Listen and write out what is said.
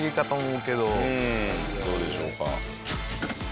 うんどうでしょうか。